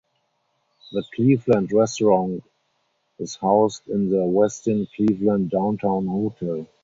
The Cleveland restaurant is housed in the Westin Cleveland Downtown Hotel.